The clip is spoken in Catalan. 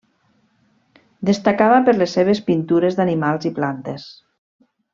Destacava per les seves pintures d'animals i plantes.